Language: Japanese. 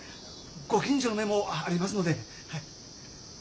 ご近所の目もありますので。